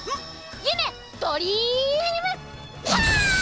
ゆめドリームパンチ！